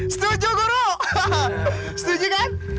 setuju guru setuju kan